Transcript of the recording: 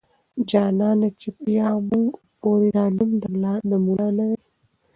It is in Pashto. جانانه چې يا موږ پورې دا نوم د ملا نه واي.